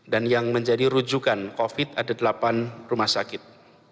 dan yang menjadi rujukan covid sembilan belas ada delapan rumah sakit